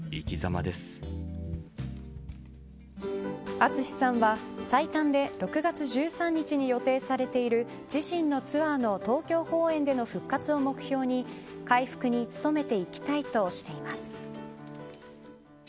ＡＴＳＵＳＨＩさんは最短で６月１３日に予定されている自身のツアーの東京公演での復活を目標に回復に努めていきたいとしています。